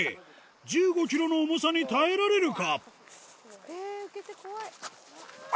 １５キロの重さに耐えられるか。